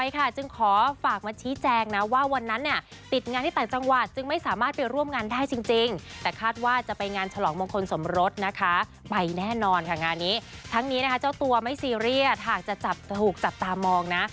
ครึ่งนี้เจ้าตัวไม่ซีเรียสถ้าจะจับตรูบจับตามองนะ